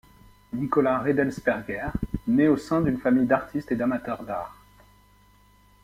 Nicolas Redelsperger naît au sein d'une famille d'artistes et d'amateurs d'art.